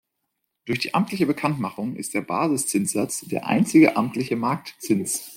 Durch die amtliche Bekanntmachung ist der Basiszinssatz der einzige amtliche Marktzins.